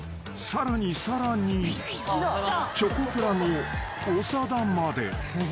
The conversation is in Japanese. ［さらにさらに］［チョコプラの長田まで］